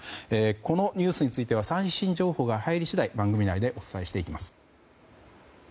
このニュースについては最新情報が入り次第番組内でお伝えをしていきます。